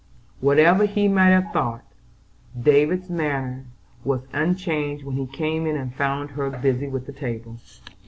Whatever he might have thought, David's manner was unchanged when he came in and found her busy with the table.